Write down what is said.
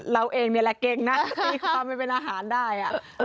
เราเองนี่แหละเก่งนะตีความไปเป็นอาหารได้